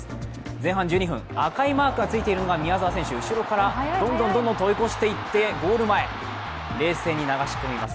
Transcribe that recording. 前半１２分赤いマークがついているのが宮澤選手後ろからどんどんと追い越していって、ゴール前、冷静に流し込みます。